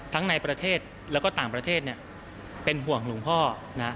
ในประเทศแล้วก็ต่างประเทศเนี่ยเป็นห่วงหลวงพ่อนะ